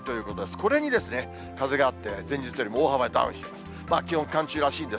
これに風があって、前日よりも大幅にダウンしています。